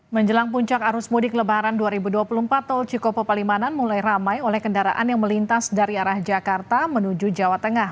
menjelang puncak arus mudik lebaran dua ribu dua puluh empat tol cikopo palimanan mulai ramai oleh kendaraan yang melintas dari arah jakarta menuju jawa tengah